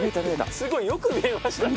すごい。よく見えましたね。